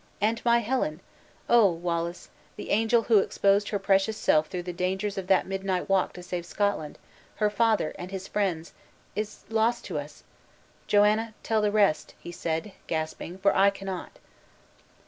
And my Helen! Oh, Wallace, the angel who exposed her precious self through the dangers of that midnight walk to save Scotland, her father, and his friends, is lost to us! Joanna, tell the rest," said he, gasping, "for I cannot."